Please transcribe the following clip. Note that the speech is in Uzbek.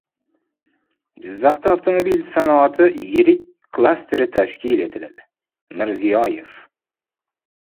Jizzaxda avtomobil sanoati yirik klasteri tashkil etiladi — Mirziyoyev